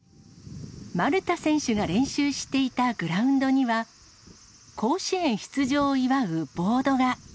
丸田選手が練習していたグラウンドには、甲子園出場を祝うボードが。